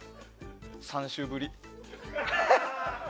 ３週ぶり。